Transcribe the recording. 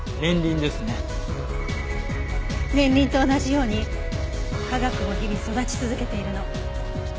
年輪と同じように科学も日々育ち続けているの。